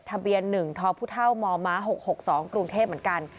ทะเบียน๑ทพมม๖๖๒กรุงเทพเหมือนกัน